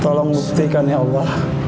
tolong buktikan ya allah